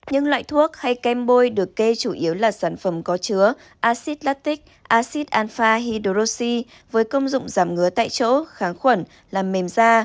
những loại thuốc hay kem bôi được kê chủ yếu là sản phẩm có chứa acid latic acid alfa hydroxi với công dụng giảm ngứa tại chỗ kháng khuẩn làm mềm da